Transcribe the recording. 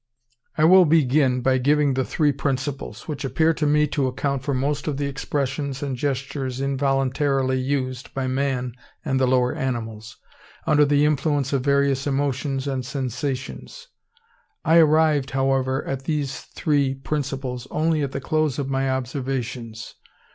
I will begin by giving the three Principles, which appear to me to account for most of the expressions and gestures involuntarily used by man and the lower animals, under the influence of various emotions and sensations. I arrived, however, at these three Principles only at the close of my observations.